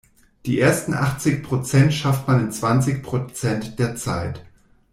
Die ersten achtzig Prozent schafft man in zwanzig Prozent der Zeit.